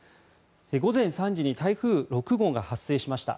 午前３時に台風６号が発生しました。